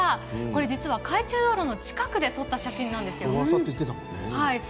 実は海中道路の近くで撮った写真なんですよ。